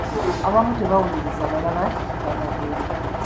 Abamu tebawuliriza balala kyebabuulira.